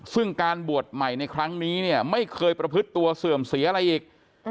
ซึ่งการบวชใหม่ในครั้งนี้เนี่ยไม่เคยประพฤติตัวเสื่อมเสียอะไรอีก